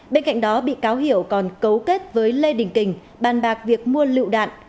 bên cạnh đó bị cáo hiểu còn cấu kết với lê đình kình bàn bạc việc mua lựu đạn